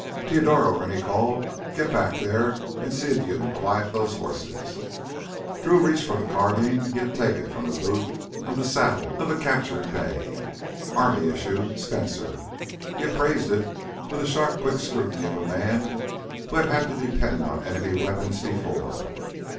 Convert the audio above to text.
"Teodoro," Rennie called, "get back there and see if you can quiet those horses." Drew reached for the carbine he had taken from the boot on the saddle of the captured bay. Army issue ... Spencer. He appraised it with the sharp, quick scrutiny of a man who had had to depend on enemy weapons before.